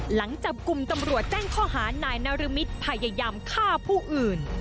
หลังจับกลุ่มตำรวจแจ้งข้อหานายนรมิตพยายามฆ่าผู้อื่น